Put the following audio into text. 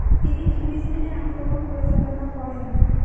তিনি ফিলিস্তিনে আক্রমণ পরিচালনা করেন।